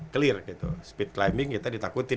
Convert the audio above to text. clear gitu speed climbing kita ditakutin